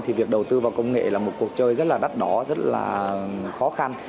thì việc đầu tư vào công nghệ là một cuộc chơi rất là đắt đỏ rất là khó khăn